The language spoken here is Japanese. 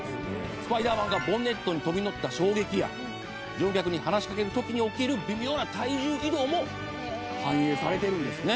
スパイダーマンがボンネットに飛び乗った衝撃や乗客に話しかける時に起きる微妙な体重移動も反映されているんですね。